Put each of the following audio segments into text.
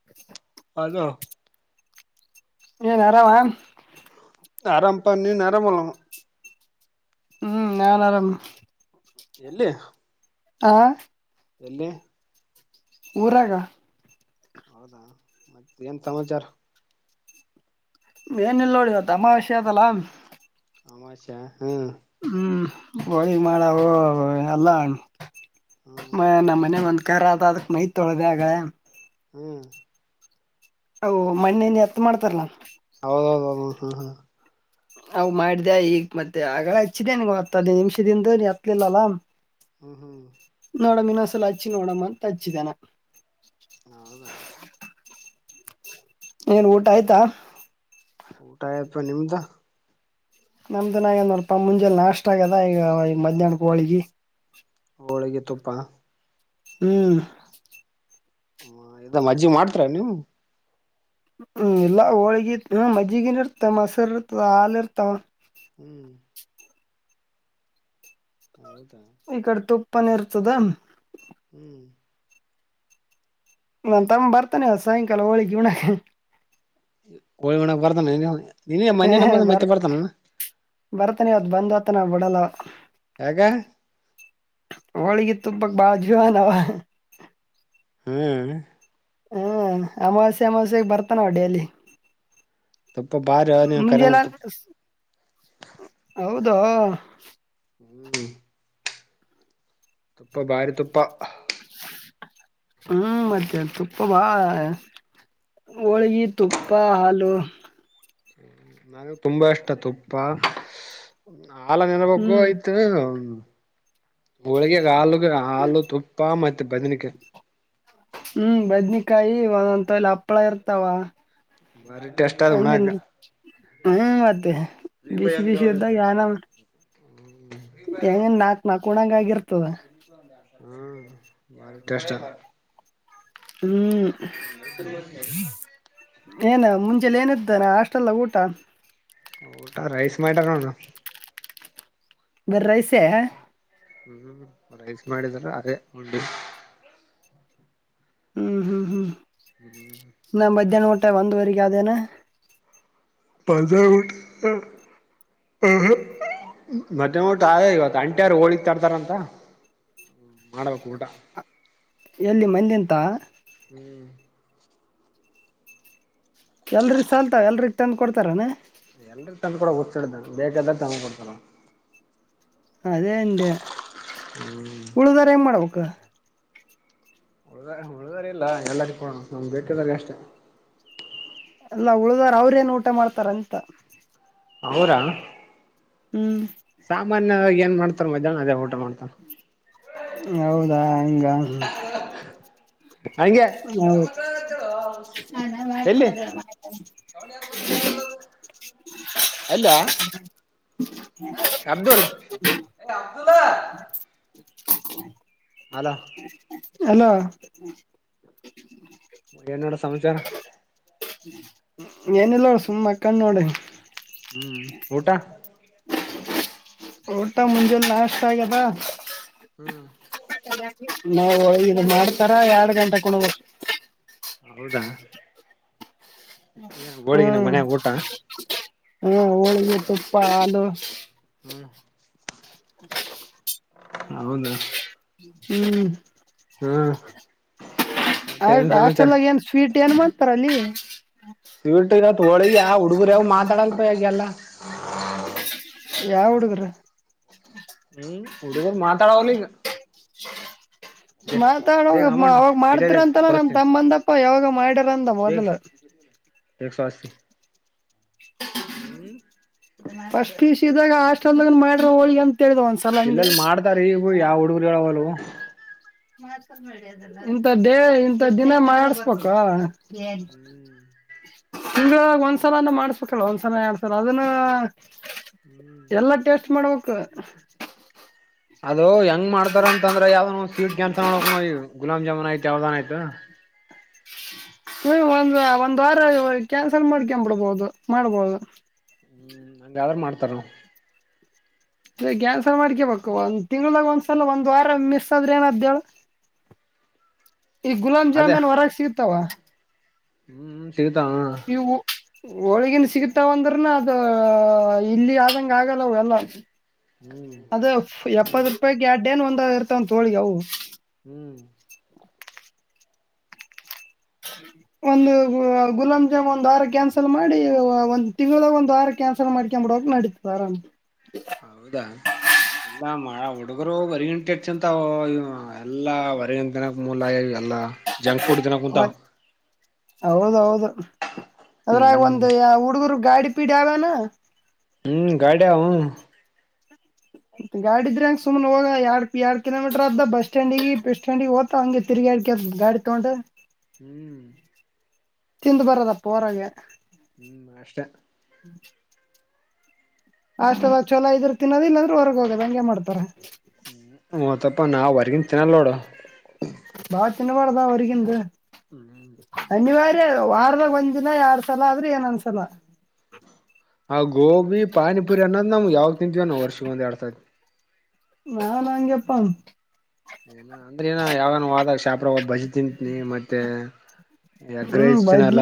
[inaudible] ಅದು ಏನ್ ಆರಾಮ. ಅರಾಮ್ ಪಾ ನೀನ್ ಅರಾಮ್ ಅಲ್ಲೇನ. ಹ್ಮ ನಾನ್ ಆರಾಮ. ಎಲ್ಲಿ ಆ ಎಲ್ಲಿ ಉರಾಗ. ಹೌದಾ ಮತ್ತೆ ಏನ್ ಸಮಾಚಾರ. ಏನು ಇಲ್ಲೋ ಡ ಇವತ ಅಮಾವಾಸ್ಯೆ ಅದಲಾ. ಅಮಾಷಾ ಹು ಹ್ಮ ಹೋಳಿಗೆ ಮಾಡವು ಅವು ಎಲ್ಲಾ ಹ್ಮ್ ಮ ನಮ್ಮ ಮನೆ ಹೊಂದ ಕರದಾದ ಮೈ ತೊಳ್ದ ಆಗ. ಹ್ಮ್ ಅವು ಮಣ್ಣೇನ ಎತ್ತ ಮಾಡ್ತಾರಲ್ಲಾ. ಹೌದೌ ಹೌ ಹಾ ಹಾ ಅವ ಮಾಡ್ದ ಈಗ ಮತ್ತೆ ಆಗಲ್ಲ ಹಚ್ಚಿದೆೇನ ನೀವ ಹತ್ತ ಹದಿನೈದ ನಿಮಿಷದಿಂದ ನೀ ಅತ್ತಲಿಲ್ಲಲ್ಲ. ಹ್ಮ ಹಾ ನೋಡಮ ಇನ್ನೊಸಲ ಹಚ್ಚಿ ನೋಡಮ್ಮ ಅಂತ ಹಚ್ಚಿದಾ ನಾ. ಹ ಹೌದಾ ಏನ್ ಊಟ ಆಯ್ತಾ. ಊಟ ಆಯತ ನಿಮ್ದ. ನಮ್ದ ಇನಇಲ ನಡಪಾ ಮುಂಜೆ ಲ ನಾಷ್ಟ ಆಗ್ಯದ ಈಗ ಈಗ ಮಧ್ಯಾಹ್ನ ಕ ಹೋಳಿಗಿ. ಹೋಳಗೆ ತುಪ್ಪ. ಹ್ಮ್ ಇದ ಮಜ್ಜಿಗಿ ಮಾಡ್ತರಾ ನೀವು. ಹ್ಮ್ ಇಲ್ಲಾ ಹೋಳಗಿ ಇ ಹ ಮಜ್ಜಗಿನ್ ಇರ್ತಾ ಮೊಸರನು ಇರ್ತವ ಹಾಲು ಇರ್ತಾವ. ಹ್ಮ್ ಹೌದಾ ಈ ಕಡೆ ತುಪ್ಪನ ಇರ್ತದ ಹ್ಮ್ ನಾನು ತಮ್ಮ ಬರ್ತಾನೆ ಇವತ್ತ್ ಸಾಯಂಕಾಲ ಹೋಳಿಗೆ ಉಣಕ ಹೋಳಿಗೆ ಉಣಕು ಬರ್ತಾನೆ ನೀ ಮನೆೆ ನಂದ ಬರ್ ಮತ್ತೆ ಬರ್ತಾನ ಬರ್ತಾನೆ ಅವತ್ ಬಂದ್ ಒತನ ಬಿಡಲ್ಲಆವಾ ಯಾಕ ಹೋಳಿಗೆ ತುಪ್ಪಕ್ ಬ್ವ ನವ ಹ್ಮ್ ಹ್ಮ್ ಅಮಾವಾಸೇ ಅಮಾವಾಸೇಗ್ ಬರ್ತಾನ ಆವಾ ಡೈಲಿ ತುಪ್ಪ ಬಾರಿ ನೀನ್ ಕರಂದ್ರ ಮುಂಜೆಲ್ಲೆ ತುಪ್ಪ ಹೌದ? ಹ್ಮ್ [inaudible] ತುಪ್ಪ ಬಾರಿ ತುಪ್ಪ ಹ್ಮ್ ಮತ್ತೆ ತುಪ್ಪ ಭಾವ ಆ ಹೋಳ್ಗಿ ತುಪ್ಪ ಹಾಲು ನನಗ್ ತುಂಬಾ ಇಷ್ಟ ತುಪ್ಪ ಹಾಲ ನೆನಬೇಕಕ್ಕು ಹ್ಮ್ ಆಯ್ತು ಮ ಹೋಳಿಗೆ ಹಾಲುಗೆ ಹಾಲು ತುಪ್ಪ ಮತ್ತೆ ಬದನಕಾಯಿ ಹ್ಮ್ ಬದ್ನಕಾಯಿ ಒಂದೊಂತಲ್ಲಿ ಹಪ್ಪಳ ಇರ್ತಾವ ಬಾರಿಟಸ್ಟ ಆ ಹನ ಹ ಹಂಗನ್ [unintelligible] ಹ್ಮ್ ಮತ್ತೆ ಬಿಸಿ ಬಿಸಿ ಯದ್ದಾಗ ಯಾನ ಹೆಂಗ ನಾಕು ನಾಕ್ಕೋದಂಗ್ ಆಗಿರ್ತದ ಹ್ಮ ಬಾರಿೆಷ್ಟ [unintelligible] ಹ್ಮ್ ಸ [inaudible] ಏನ ಮುಂಜೆಲಿ ಏನ್ಇತ್ತು ಹಾಸ್ಟೆಲ್ ದಾಗ ಊಟ ಊಟಾ ರೈಸ್ ಮಾಡೈಟಾರ ನೋನು [unintelligible] ಬರ್ ರೈಸೇ.... ಹ್ಮ್ ರೈಸ್ ಮಾಡಿದ್ರ ಅದೇ ಹ್ಮ್ ಹ್ಮ್ ಹ್ಮ್ ಹ್ಮ್ಮ ನಾ ಮಧ್ಯಾಹ್ನ ಊಟ ಒಂದುವರೆಗ ಅದೇನೆ ಪಾಜ [unintelligible] ಉಟ್ ಹ್ಮ್್ಮ [unintelligible] ಮದೆ ಒಟ್ಟು ಆದ ಇವತ್ತು ಅಂಟ್ಯಾರ ಹೋಳಿಗ್ ತರ್ತಾರ ಅಂತ ಮಾಡಬೇಕು ಊಟ ಎಲ್ಲಿ ಮಂದೆಂತಾ ಹ್ಮ್ ಎಲ್ರಿಗೆ ಸಲ್ತಾವ ಎಲ್ರಿಗೆ ತಂದು ಕೊಡ್ತಾರನಾ ಎಲ್ರ ತಂದು ಕೂಡ ಹು್ಿಡ್ದ ಬೇಕಾದ್ರ ತ ಕೊಡ್ತಾನ [unintelligible] ಅದೇ ಅಂದೇ ಹ್ಮ್ ಉಳಿದಾರ ಎನ್ ಮಾಡಬೇಕ ಉಳಿದ ಉಳಿದಾರ ಇಲ್ಲ ಎಲ್ಲ ಕೋಣ ನಮ್ ಬೇಟದಾಗ ಅಷ್ಟೆ ಎಲ್ಲ ಉಳ್ದಾರ ಅವ್ರೇಏನ್ ಊಟ ಮಾಡ್ತಾರಂತ ಅವರ ಹ್ಮ್ ಸಾಮಾನ್ಯವಾಗಿ ಏನ್ ಮಾಡ್ತ ಮದ್ಯಾಹ್ನ ಊಟರ ಅದೇ ಮಾಡ್ತಾರೆ ಹೌದಾ? ಹಂಗ? ಹಂಗೆ ಹೌದು ಎಲ್ಲಿ ಅಲ್ಲ? ಅಬ್ದುಲ್ ಏ ಅಬ್ದುಲ್ಲ ಹಲೋ ಹಲೋ ಏನಡ ಸಮಾಚಾರ? ಏನಿಲ್ಲ ಸುಮ್ ಮಕ್ಕಂಡ್ ನೋಡಿ. ಹ್ಮ ಊಟ? ಊಟ ಮುಂಜೆಲ್ ನಾಷ್ಟ ಆಗ್ಯದಾ ಹ್ಮ ನಾವು ಇದು ಮಾಡ್ತಾರ ಎರಡು ಗಂಟೆಕ್ ಉಣ್ಬೇಕು. ಹೌದಾ? ಏನ್ ಹ್ಮ ಗೋಳಿಗಿನ ಮನ್ಯಾಗ ಊಟ ಹ್ಮ ಹೋಳಗಿ ತುಪ್ಪ ಹಾಲು ಹ್ಮ ಹೌದಾ? ಹ್ಮ ಹ್ಮ ಆ ಹಾಸ್ಟೆಲ್ಗ ಏನ್ ಸ್ವೀಟ್ ಏನ್ ಮಾಡ್ತಾರ ಅಲ್ಲಿ? ಇಟ್ಟ ಇರತ್ ಹೋಳಗ ಆ ಹುಡುಗರ ಯಾವ ಮಾತಾಡಲ್ಪ ಹೀಗೆಲ್ಲ. ಯಾವ [unintelligible] ಹುಡುಗ್ರ ಹ್ಮ ಹುಡುಗರು ಮಾತಾಡವಲ್ಲಿಗ? ಮಾತಾಡುವಾಗ ಅಮೌಂಟ್ ಅವಾಗ ಇಡೋದ ಮಾಡ್ತಿರಂತಲ್ಲ ನಮ್ ತೋರಿಸ್ತೀನಿ ತಮ್ಮಂದಪ್ಪ ಯಾವಾಗ ಮಾಡಿರಂದ ಮೊದ್ಲು. ಎಕ್ಸೋಸಿ ಹ್ಮ ಫಸ್ಟ ಪಿ ಯು ಸಿ ಇದ್ದಾಗ ಹಾಸ್ಟೆಲ್ದಾಗ ಮಾಡ್ರ ಹೋಳಿಗೆ ಅಂತ ಹೇಳ್ದ ಒಂದ್ಸ ಎಲ್ಲೆಲ್ಲಿ ಮಾಡ್ತಾರೆ ಹೀಗೂ ಯಾವ ಹುಡುಗರು ಹೇಳವಲ್ರು. ಇಂಥ ಡೇ ಇಂಥ ದಿನ ಮಾಡಸ್ಬೇಕಾ [unintelligible] ತಿಂಗಳಾಗ್ ಒಂದ್ಸಲಾನ ಮಾಡ್ಸ್ಬೇಕಲ ಒಂದ್ಸಲ ಎರಡ್ ಸಲ ಅದನ್ನ ಎಲ್ಲಾ ಟೇಸ್ಟ ಮಾಡ್ಬೇಕು. ಅದು ಹೆಂಗ್ ಮಾಡ್ತಾರ ಅಂತಂದ್ರ ಯಾವ್ದ ನ ಒಂದ್ ಸ್ವೀಟ್ ಕ್ಯಾನ್ಸಲ್ ಮಾಡ್ಬೇಕ್ ನಾವು [unintelligible] ಗುಲಾಬ್ ಜಾಮೂನ್ ಆಯ್ತ ಯಾವ್ದಾನ ಆಯ್ತು ನೀ ಒಂದ ಒಂದ್ ವಾರ ಕ್ಯಾನ್ಸಲ್ ಮಾಡ್ಕೊಬಿಡ್ಬಹುದು ಮಾಡ್ಬಹುದು. [unintelligible] ಮಾಡ್ತಾರೊ? [unintelligible] ಕ್ಯಾನ್ಸಲ್ ಮಾಡ್ಕೇಬೇಕು ಒಂದ್ ತಿಂಗಳಾಗ ಒಂದ್ಸಲ ಒಂದ್ ವಾರ ಮಿಸ್ ಆದ್ರೆ ಏನ ಅದೇಳ್ ಈಗ ಗುಲಾಬ್ ಜಾಮ್ ಏನ್ ಹೊರಗೆ ಸಿಗತಾವ? ಹ್ಮ ಸಿಗತಾವು. ಹೋಳಗಿನು ಸಿಗತಾವಂದ್ರನ ಅದ ಇಲ್ಲಿ ಆದಂಗ ಆಗಲ್ಲ ಅವೆಲ್ಲ. [unintelligible] ಹ್ಮ [unintelligible] ಒಂದ ಇರ್ತವ ಅಂತ ಹೊಳಿಗೆ ಅವು. ಹ್ಮ ಒಂದು ಗುಲಾಬ್ ಜಾಮ್ ಒಂದ ವಾರ ಕ್ಯಾನ್ಸಲ್ ಮಾಡಿ ಒ ಒಂದು ತಿಂಗಳದಾಗ್ ಒಂದು ವಾರ ಕ್ಯಾನ್ಸಲ್ ಮಾಡ್ಕಾಂಬಿಡಕ್ ನಡಿತ ಆರಮ್. ಹೌದಾ? [unintelligible] ಮ ಹುಡುಗರು ಹೊರಗಿನಟಚ್ ಅಂತವು ಇವಾಗ್ ಎಲ್ಲಾ ಹೊರ್ಗ [unintelligible] ಎಲ್ಲ ಜಂಕ್ ಫುಡ್ ತಿನ್ನಾಕ್ ಕುಂತಾವ್. ಹೌದೌದು ಅದ್ರಾಗ್ ಹ್ಮ್ ಒಂದು ಹುಡುಗರು ಗಾಡಿ [unintelligible] ಹ್ಮ ಗಾಡಿಯ ಅವು ಗಾಡಿದ್ರೆಂಗ ಸುಮನೆ ಹೋಗ ಎಾರ್ಡ್ ಎರ ಕಿೋಮೀಟರ್ ಅದ ಬಸ್ ಸ್ಟ್ಯಾಂಡ್ಿಗೆ ಸ್ಟ್ಯಾಂಡಿಗೆ ಹಓದ ಹಂಗೆ ತಿರುಗಾಡಿಕ ಗಾಡಿ ತಗೊಂಡು ಹ್ಮ್ ತಿಂದು ಬರದಪ್ಪ ಹೊರಗೆ ಹ ಅಷ್ಟ ಹ್ಮ್ ಅಷ್ಟ ಚಲೋ ಇದ್ರರು ತಿನ್ನೋದ ಇಲ್ಲಾದ್ರೂ ಹೊರಗೆ ಹೋಗೋದ ಹಂಗೆ ಮಾಡ್ತಾರೆ ಹ್ಮ ಮತ್ತಪ್ಪ ನಾವ್ ಹೊರ್ಗನ್ ತಿನ್ನಲ್ಲ ನೋಡು ಬಾಚಿನ ಬಳದಾವ ಅವರಿಗೆ ಎಂತ ಅನ್ಿವಾರ ವಾರಾಗ ಒಂದ್ ದಿನ ಯಾರ್ ಸಲ ಆದ್ರೆ ಏನೊಂದ್ಸಲ ಹ ಗೋಬಿ ಪಾನಿಪುರಿ ಅನ್ನೋದು ನಮ್ಗೆ ಯಾವಾಗ ತಿಂತೀವ ನಾವು ವರ್ಷ ಒಂದ ಎಡ್ ಸಾವಿತಿ ನಾ ನಾಂಗಗೆಪ್ಪಾ ಏನ ಅಂದ್ರೆ ಏನ ಯಾವಾಗ ವ ಆದಾಗ ಶಾಪ್ರ ಬಜಿ ತಿಂತನಿ ಮತ್ತೆ ಹ್ಮ್ ಬಜ್ಜಿ ಎಗ್ರಸ್ಿನಲ್ಲ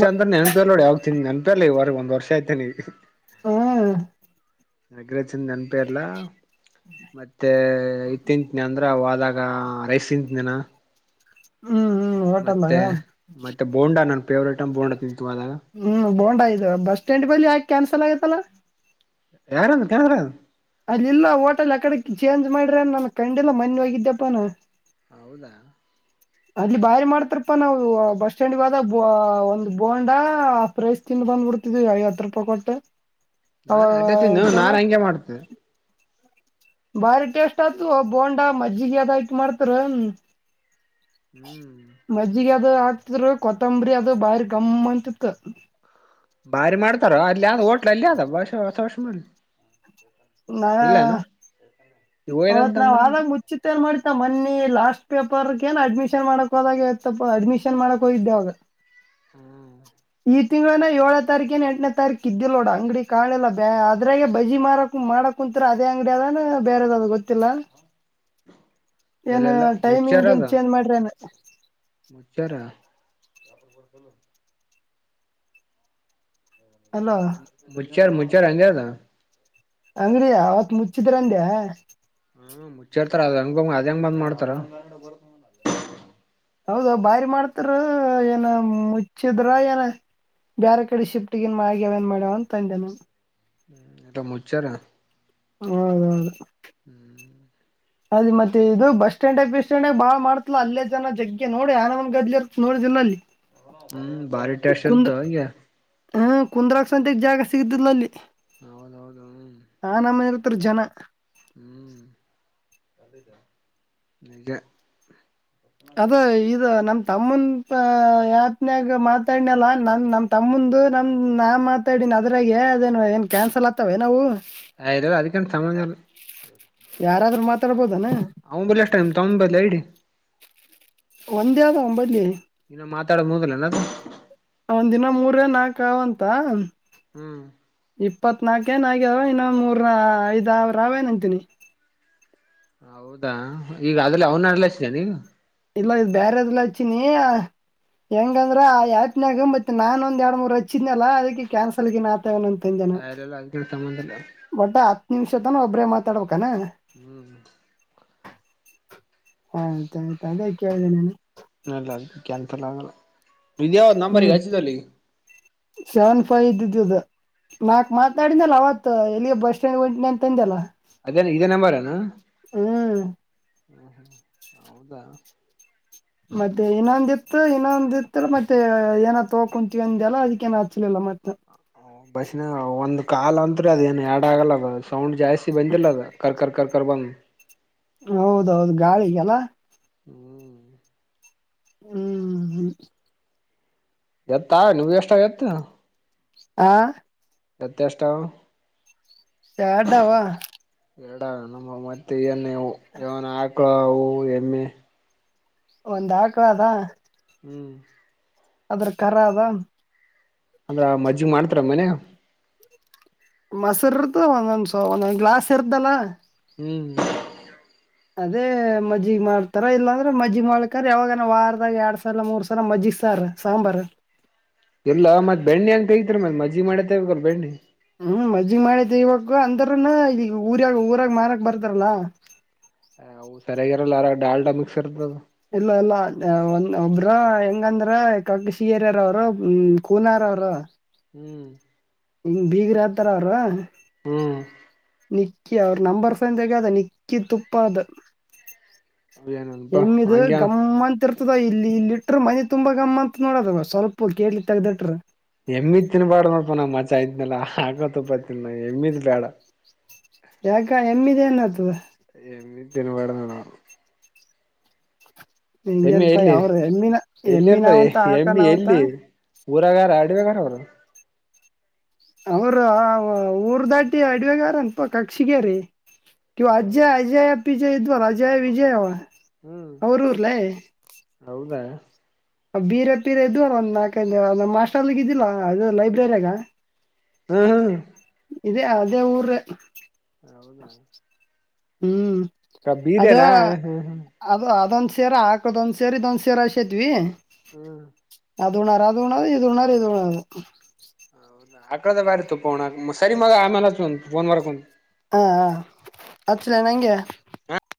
ಬ ಅಂತ್ರ ನೆನ್ಪಿರ್ ನೋಡಿ ಯಾವ ತಿಿ ನೆನ್ಪಿರ್ಲಿ ಒಂದ್ ವರ್ಷ ಆಯತೆನೆ ಹಾ ನಗ್ರ ಚಂದ ನೆನಪೇ ಇಲ್ಲ ಮತ್ತೆ ಇತ್ತ ನ ಅಂದ್ರೆ ಅವದಾಗ ರೈಸ್ ತಿಂತ ನಾನ ಹ್ಮ್ ಹ್ಮ್ ಮತ್ತೆ ಹೋಟೆಲ್ದಾಗ ಮತ್ತೆ ಬೋಂಡಾ ನನ್ ಫೇವ್ರೇಟ್ ಅ ಬೋಂಡಾ ತಿಂತು ಆದದಾಗ ಹ್ಮ್ ಬೋಂಡ್ಯ್ ಬಸ್ ಸ್ಟ್ಯಾಂಡ್ ಬಳಲಿ ಯಾೆ ಕ್ಯಾನ್ಸಲ್ ಆಗತ್ತಲ್ಲಾ ಯಾರ ಕೇಳಿದ್ರ ಅಲ್ಲಿಲ್ಲ ಹೋಟೆಲ್ ಯಕಡೆ ಚೇಂಜ್ ಮಾಡ್ರೆ ನನ್ ಕಂಡಿಲ್ಲ ಮನ್ನೆ ಹೋಗಿದ್ದ್ಯಪ್ಪಾನ ಹೌದಾ ಅಲ್ಲಿ ಬಾರಿ ಮಾಡ್ತಾರಪ್ಪಾ ನಾವು ಬಸ್ ಸ್ಟಾಂಡ್ಗಾದ ಬ ಒಂದು ಬೋಂಡ ಪ್ರಸ್ ತಿಿಂದ ಬಂದ್ಬಿಡ್ತಿದ ಐವತ್ತು ರೂಪಾಯಿ ಕೊಟ್ಟೆ ನಾನ್ ಅದತಿ ನಾನ್ ಹಂಗೆ ಮಾಡ್ತೆ ಬಾರಿ ಟೇಸ್ಟ್ ಆಯತು ಬೋಂಡಾ ಮಜ್ಜಿಗೆ ಅದ ಆ್ತ ಮಾಡ್ತರ ಹ್ಮ್ ಮಜ್ಜಿಗೆ ಅದು ಹಾಕ್ತ್ರರು ಕೊತ್ತಂಬರಿ ಅದು ಬಾರಿ ಗಮ್ಮ ಅಂತಿತ್ತು ಬಾರಿ ಮಾಡ್ತಾರೋ ಅಲ್ಲಿ ಹೋಟ್ಲ್ ಅಲ್ಲಿಯ ಆದ ಬಾಷ ಹೊಸ ವಷ ಮಾಡಿ ಇಲ್ಲಾನ ಈಗ ಹೌತ್ ಒಯ್ದಂತ ಅಂದ ನಾವ್ ಅನ್ಕೊಂತ ಆರಾಗ್ ಮುಚ್ಚ ಏನ್ ಮಾಡತ ಮನ್ನಿ ಲಾಸ್ಟ್ ಪೇಪರ್ ಏ ಅಡ್ಮಿಷನ್ ಮಾಡಕ್ೋದಾಗ ಆಯ್ತಪ್ಪ ಅಡ್ಮಿಷನ್ ಮಾಡಕ್ ಹೋಗಿದ್ದೆವಾಗ ಹ್ಮ ಈ ತಿಂಗಳನ ಏಳನ ತಾರೀಕ ಏ ಎಂಟನೇ ತಾರೀಕು ಇದ್ದಿಿಲ್ಲ ನೋಡ ಅಂಗಡಿ ಕಾಣಿಲ್ಲ ಬ ಅದ್ರಾಗೆ ಬಜಿ ಮಾರಕ್ ಮಾಡಕ್ ಕುಂತ್ರ ಅದ ಅಂಗಡಿ ಅದ ಬೇರೆದಾವ ಗೊ ಏನ್ ಎಲ್ಲೆಲ್ಲ ಟೈಮಿಂಗ್ ಏನ್ ಚೇಂಜ್ ಮಾಡ್ರಿ ಏನ್ ಮೊಚರ ಬರ್ತಲ್ಲ ಅಲ್ಲೋ ಮುಚ್ಚರ್ ಮುಚ್ಚಚಾರ ಅಂಗದ ಅಂಗ್ರೀ ಅವತ್ ಮುಚ್ಚಿದ್ರಂದ ಹಾ ಮುಚ್ಚಿಡ್ತಾರ ಅದು ಹಂಗಂಗ ಅದ ಹೆಂಗ ಬಂದ್ ಮಾಡ್ತಾರ ಬ ಹೌದ ಬಾರಿ ಮಾಡ್ತಾರ ಏನ ಮುಚ್ಚಿದ್ರ ಏನ ಬೇರೆ ಕಡೆ ಶಿಫ್ಟ್ಗಿನ್ ಮಾ ಆಗ್ಯಾವೇನ್ ಮಾಡ್ಯವ ಅಂತ ತಂದೆ ನವು ಹ್ಮ ಎಟ ಮುಚಾರ ಹೌದೌದು ಹ್ಮ್ ಅದ ಮತ್ತೆ ಇದು ಬಸ್ ಸ್ಟ್ಯಾಂಡ್ ಬಸ್ ಸ್ಟ್ಯಾಂಡ್ಾಗ ಬಾಳ ಮಾಡತಲಾ ಅಲ್ಲೇ ಜನ ಜಗ್ಗೆ ನೋಡಿ ಆಾನ ಒಂದ್ ಗದ್ಲಿ ಇ ನೋಡಿಲ್ಲ ಅಲ್ಲಿ [inaudible] ಹ್ಮ್ ಬಾರಿಟ್ಯಾಷಲ್ತ ಆಾ ಹಾ ಕುಂದ್ರಾಾಗ ಸಂತೆಗ್ ಜಾಗ ಸಿಗತಿಲ್ಲ ಅಲ್ಲಿ ಹೌದೌದು ಆ ನಮ್ಮನೆ ಇರ್ತಾರ ಹ್ಮ ಜನ ಹ್ಮ್ ಅಂಗೇ ಅದ ಇದು ನಮ ತಮ್ಮನ್ ಆ ಯತ್ನ್ಯಾಗ ಮಾತಾಡ್ನಲ್ಲ ನನ್ ನಮ ತಮ್ಮಂದು ನಮ್ ನ ಮತಾಡನ್ ಅದ್ರಾಗ ಅದೇನು ಏನ್ ಕ್ಯಾನ್ಸಲ್ ಆಗ್ತವೆ ನಾವು ಆಯದು ರೂ ಅದಕ್ಕಂತ ಸಮಂಗಾಲ [unintelligible] ಯಾರಾದ್ರರು ಮಾತಾಡ್ಬೋದನಾ ಅವ ಬಲೆ ಎಷ್ಟ ೈಮ್ ತಮ್ಮ ಬಲೆ ಇಡಿ ಒಂದೇ ಆದ ಒಂಬೈಲ್ಲಿ ಇನ್ನ ಮಾತಾಡ ಮೂದಲನ ಒಂದ್ ದಿನ ಮೂರ ನಾಕವ್ ಅಂತ ಹ್ಮ್ ಇಪ್ಪತ್ನಾಲ್ಕೇನು ಆಗ್ಯಾವೆ ಇನ್ನು ಮೂರ ಐದುಾವಿರಾವೇನು ಅಂತೀನಿ ಹೌದಾ ಈಗ ಅ್ರಲ್ಲಿ ಅವ್ನ ಅಡಲಿಸಿದ ನೀವು ಇಲ್ಲ ಇದು ಬೇರೆದುಲ್ಲ ಇಚ್ಚಿನಿ ಹೆಂಗಂದ್ರ ಆಾತ್ನಾಗ ಮತ್ತತ್ ನಾನನ್ ಒಂದ ಎರಡು ಮೂರು ಹಚ್ಚಿದನಲ್ಲ ಅದಕ್ಕೆ ಕ್ಯಾನ್ಸಲ್ಗ ಆಯ್ತ್ ನಂತಜನ ಅಲ್ಲ ಅದ ಸಂಬಂಧಲ್ಲ ಒಟ್ಟ ಹತ್ತು ನಿಮಿಷ ತನ ಒಬ್ರೇ ಮಾತಾಡ್ಬೇಕಾನ ಹ್ಮ್ ಹಾ ತೇ ಕೇಳ್ದನನು ಅಲ್ಲ ಅದು ಕ್ಯಾನ್ಸಲ್ ಆಗಲ್ಲ ಇದ್ಯಾವ ನಂಬರ್ಗೆ ಹಚ್ಚಿದಲ್ಲಿ ಶಾನ್ ಫೈ್ದಿದ್ದದ ನಾಕ್ ಮಾತನಾಡನಲ್ಲ ಅವತ್ತು ಎಲ್ಲಿ ಬಸ್ ಸ್ಟ್ಯಾಂಡ್ಗೆ ಹೊಂಟ ನಂತ ತಂದೆಲ್ಲ ಅದೇ ಇದೇ ನಂಬಾರನಾ ಹೌದಾ ಮತ್ತೆ ಇನ್ನೊಂದಿ ಇತ್ತು ಇನ್ನೊಂದಿತ್ತ ಮತ್ತೆ ಏನಾದ ತಗೋ ಕುಂತೀಂದ ಎಲ್ಲ ಅದಕ್ಕೇಏನ್ ಹಚ್ಲಿಲ್ಲ ಮತ್ತೆ ಹ ಬಸ್ಿನ ಒಂದ್ ಕಾ ಅಂತ್ರಿ ಅದ ಏನು ಎರಡ ಆಗಲ್ಲ ಅದ ಸೌಂಡ್ ಜಾಸ್ತಿ ಬಂದಿಲ್ಲ ಅದ ಕರ್ಕರ್ ಕರ್ಕರ್ ಬಮ್ ಹೌದೌದು ಗಾಳಿಗೆಲ್ಲ ಹ್ಮ್ ಹ್ಮ್ ಎತ್ತಾ ನೀ್ ಎಷ್ಟ ಎತ್ತು ಆಾ ಎತ್ ಇಷ್ಟಾವ್ ಸ್ಯಾಡಾವ ಎರಡ ನ ಮತ್ತೆ ಏನ್ ನ ಆಕಳ ಹೂವು ಎಮ್ಮೆ ಒಂದ್ ಹಾಕುವ ಅದಾ ಹ್ಮ್ ಅದ್ರ ಖರ ಅದ ಅಂದ್ರ ಮಜ್ಜಿಗೆ ಮಾಡ್ತಾರ ಮನೆ ಮಾಸರ್ದು ಒಂದೊಂದ್ ಒಂದೊಂದ್ ಗ್ಲಾಸ್ ಇರ್ದಲ್ಲಾ ಹ್ಮ್ ಅದೇ ಮಜ್ಜಗ್ ಮಾಡ್ತಾರ ಇಲ್ಲಾಂದ್ರೆ ಮಜ್ಜಿಗೆ ಮಾಡ್ಕಾರ ಯಾವಾಗನ ವಾರದಾಗ ಎರಡ್ ಸಲ ಮೂರ್ ಸಲ ಮಜ್ಜಿಗೆ ಸಾರ ಸಾಂಬಾರ ಎಲ್ಲ ಮತ್ ಬೆಣ್ಣೆ ಅಂಗ ಕೈಐತ್ರಿ ಮತ್ಜ್ಜಿ ಮಾಡೇತಲ್ಲ ಬೆಣ್ಣಿ ಹ್ಮ್ ಮಜ್ಜಗ್ ಮಾಡಿ ತಗವಕ್ ಅಂದರನು ಈಗ ಊರ್ಯಾಗ ಊರಾಗ ಮಾರಕ್ ಬರ್ತಾರಲ್ಲಾ ವು ಸರಿಯಾಗಿರಲ್ಲ ಯಾರ ಡಾಲ್ಡಾ ಮಿಕ್ಸ್ರ್ದದು ಇಲ್ಲ ಇಲ್ಲ ಒ ಒಬ್್ರ ಹೆಂಗಂದ್ರ ಕಗಶಿ ಹರಯರ ಅವರು ಕೂನಾರ ಅವರು ಹ್ಞೂ ಹಿಂಗ್ ಬೀಗ್ರ ಹತಾರ ಅವರ ಹ್ಮ್ ನಿಕ್ಕಿ ಅವ್ರ ನಂಬರ್ ಫನ್ ತಗಾದ ನಿಕ್ಕಿ ತುಪ್ಪ ಅದು ಏನನ್ಪಾ ಎಮ್ಮ ಇದು ಹಂಗ್ಯ ಗಮ್ಮಂತರ್ ಇತದ ಇಲ್ಲಿ ಇಲ್ಲಿ ಇಟ್ಟ್ರ ಮನೆ ತುಂಬಾ ಗಮ್ಮ ಅಂತ ನೋಡೋದ ಸ್ವಲ್ಪ ಕೇಲಿ ತೆಗ್ದಿಟರು ಎಮ್ಮಿತ್ ತಿನ್ ಬೇಡ ಮಾಡೋ್ಪ ನಾ ಮಜ ಆಯ್ನಲ್ಲ ಹಾಕತಪ್ಪತಿ ನ ಎಮ್ಮತ್ ಬೇಡ ಯಾಕ ಹೆಮ್ಮಿದೆ ನದು ಎಮಿ ತಿಿನಬಡ ನಡ ಎಮ್ಮಿ ಹಿಂಗೇನಪಾ ಎಲ್ಲಿ ಅವ್ರ ಎಮ್ಮಿನ ಎಲ್ಲಿ ಎಮ್ಮಿ ಇರ್ತಾರೆ ನಾವಂತ ಆಕ ಎಮ್ಮಿ ನಾವಂತ ಎಲ್ಲಿ ಊರಗಾರ ಅಡವೆಗಾರ ಅವರು ಅವರು ಊರು ದಾಟಿ ಅಡವೆಗಾರ ಅನ್ಪ ಕಕ್ಷಿಗ ರೀ ಕವ ಹೌದಾ ಅಜಯ್ ಅಜಯ್ ಪಿಜಯ್ ಇದ್ವಲ್ಲ ಅಜಯ್ ವಿಜಯ್ ಹ್ಮ್ ಅವರೂರ್ಲೇ ಹೌದಾ ಬೀರೆ ಪೀರೆ ಇದು ಒಂದು ನಾಲ್ಕೈನ ಮಾಸ್ಟರ್ಲಿಿಗೆ ಇದಿಲ್ಲ ಅದು ಲೈಬ್ರರಿಯಾಗ ಹಾ ಹಾ ಇದೇ ಅದೇ ಊರ ಹೌದ ಹ್ಮ್ ಕ ಅದ ಬೀದೆನಾ ಹ್ಮ ಹ ಅದು ಅದೊಂದ ಸರೆ ಹಾಕದೊಂದ್ ಸೇರೆ ಇದೊಂದ್ ಸೇರೆ ಅಷ್ಟೇತ್ವಿ ಹ್ಮ್ ಅದು್ಣಾರೆ ಅದು ಉಣದು ಇದು ಉ್ಣಾರೆ ಇದು ಉಣ್ಣದು ಆಕಳದ ಬರೆ ತ ಪೋಣ ಸರಿ ಮ ಆಮಲೆ ೋನ್ ವರಕ ಹಾಂ ಹಾಂ ಅಚ್ಚಿಲ್ಲ ನಂಗೆ